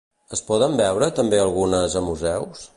Es poden veure també algunes a museus?